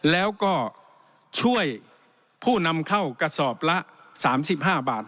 แล้วก็ช่วยผู้นำเข้ากระสอบละ๓๕บาท